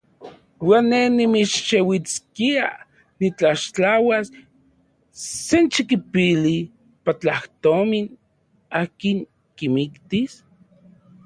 ¿Uan ne nimixeuiskia nitlaxtlauas senxikipili platajtomin akin kimiktis?